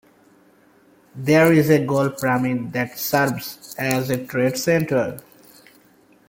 There is a gold pyramid that serves as a trade center.